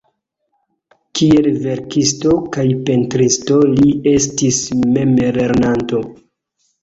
Kiel verkisto kaj pentristo li estis memlernanto.